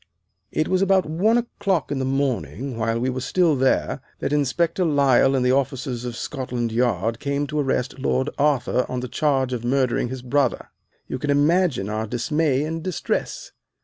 It was about one o'clock in the morning, while we were still there, that Inspector Lyle and the officers from Scotland Yard came to arrest Lord Arthur on the charge of murdering his brother. You can imagine our dismay and distress.